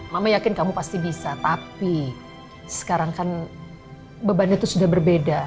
mama yakin kamu pasti bisa tapi sekarang kan beban itu sudah berbeda